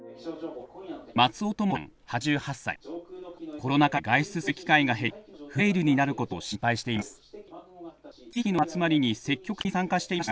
コロナ禍で外出する機会が減りフレイルになることを心配しています。